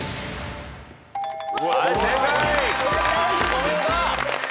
お見事！